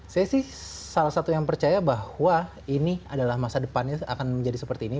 saya sih salah satu yang percaya bahwa ini adalah masa depannya akan menjadi seperti ini